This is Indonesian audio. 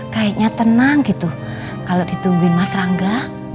kayaknya tenang gitu kalau ditungguin mas rangga